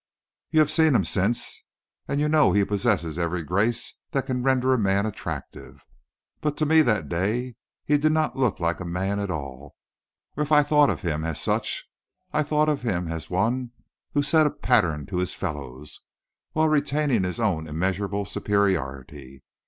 You have seen him since, and you know he possesses every grace that can render a man attractive; but to me that day he did not look like a man at all, or if I thought of him as such, I thought of him as one who set a pattern to his fellows, while retaining his own immeasurable superiority.